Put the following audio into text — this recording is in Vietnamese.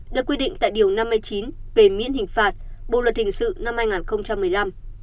được quy định tại điều năm mươi chín về miễn hình phạt bộ luật hình sự năm hai nghìn một mươi năm